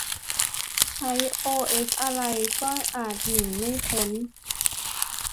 ใช้โอเอสอะไร ก็อาจหนีไม่พ้น